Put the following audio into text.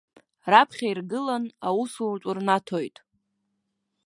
Раԥхьа иргылан, аусутә рнаҭоит.